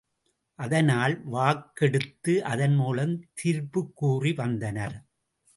அதனால் வாக்கெடுத்து அதன் மூலம் தீர்ப்புக் கூறி வந்தனர்.